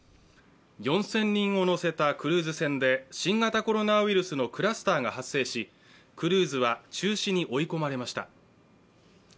４０００人を乗せたクルーズ船で新型コロナウイルスのクラスターが発生し、クルーズは中止に追い込まれました。